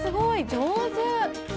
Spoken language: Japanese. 上手！